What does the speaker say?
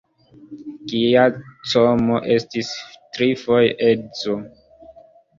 Giacomo estis trifoje edzo.